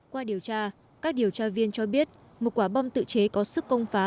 qua điều tra các điều tra viên cho biết một quả bom tự chế có sức công phá